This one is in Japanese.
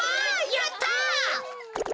やった！